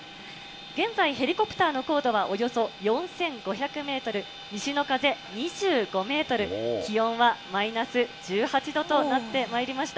現在、ヘリコプターの高度はおよそ４５００メートル、西の風２５メートル、気温はマイナス１８度となってまいりました。